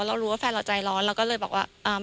เรารู้ว่าแฟนเราใจร้อนเราก็เลยบอกว่า